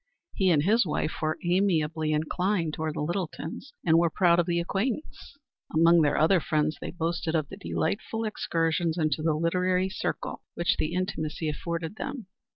He and his wife were amiably inclined toward the Littletons, and were proud of the acquaintance. Among their other friends they boasted of the delightful excursions into the literary circle which the intimacy afforded them.